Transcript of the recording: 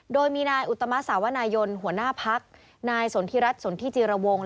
โดยมีนายอุตมะสาวนายนหัวหน้าพักนายสนทิรัฐสนทิจิรวง